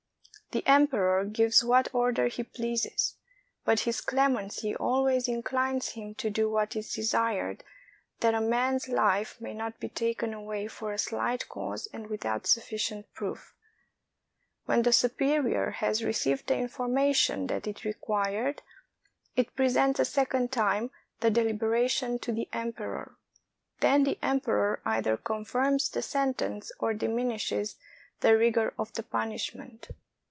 The emperor gives what order he pleases; but his clemency always inclines him to do what is desired, that a man's life may not be taken away for a slight cause and without sufficient proof. When the superior has received the information that it required, it presents a second time the deliberation to the emperor. Then the emperor either confirms the sentence or dimin ishes the rigor of the punishment.